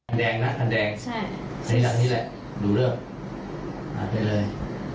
อันแดงนะอันแดง